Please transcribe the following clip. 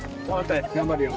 頑張るよ。